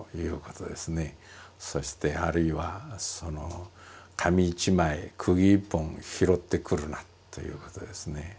そしてあるいは「紙一枚釘一本拾ってくるな」ということですね。